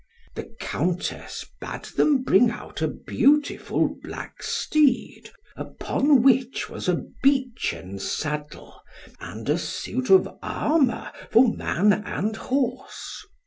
The Countess bade them bring out a beautiful black steed, upon which was a beechen saddle, and a suit of armour, for man and horse.